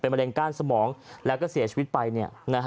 เป็นมะเร็งก้านสมองแล้วก็เสียชีวิตไปเนี่ย